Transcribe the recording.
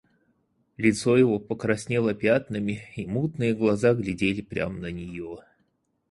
Лицо его покраснело пятнами, и мутные глаза глядели прямо на нее.